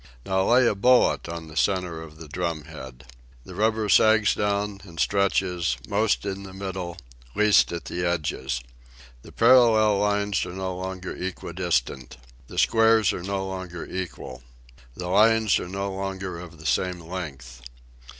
Now lay a bullet on the center of the drumhead. The rubber sags down and stretches, most in the middle, least at the edges. The parallel " lines are no longer equidistant. The squares are no longer equal. The lines are no longer of the same length.